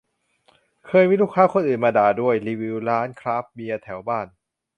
เคยมีลูกค้าคนอื่นมาด่าด้วย รีวิวร้านคราฟต์เบียร์แถวบ้าน